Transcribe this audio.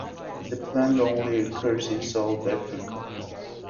The plant only occurs in South Africa.